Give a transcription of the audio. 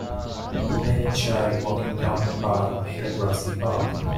Women and child walking down a path in a grassy park.